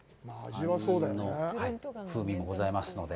指もございますので。